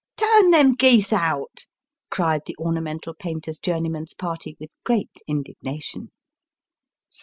" Turn them geese out," cried the ornamental painter's journeyman's party, with great indignation.